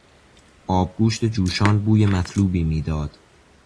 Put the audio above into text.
آبگوشت جوشان بوی مطلوبی میداد.